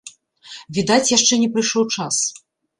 Відаць яшчэ не прыйшоў час.